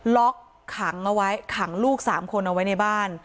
ล็อกขังเอาไว้ขังลูก๓คนเอาไว้ในบ้าน